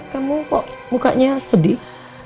kamu kok mukanya sedih